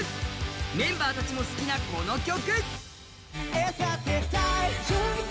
メンバーたちも好きなこの曲。